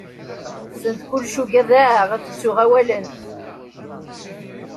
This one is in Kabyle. Send kullec, ugadaɣ ad ttuɣ awalen.